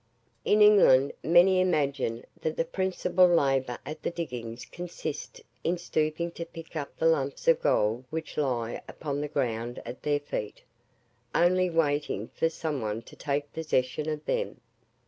In England many imagine that the principal labour at the diggings consists in stooping to pick up the lumps of gold which lie upon the ground at their feet, only waiting for some one to take possession of them.